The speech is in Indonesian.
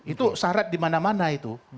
itu syarat di mana mana itu